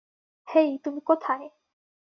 হেই তুমি কোথায়?